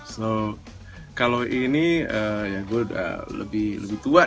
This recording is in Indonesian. so kalau ini ya gue udah lebih tua ya